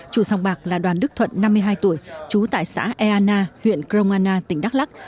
chủ sòng bạc là đoàn đức thuận năm mươi hai tuổi trú tại xã eana huyện krong anna tỉnh đắk lắc